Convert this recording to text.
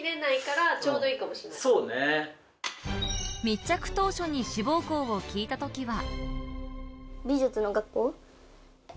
密着当初に志望校を聞いた時は。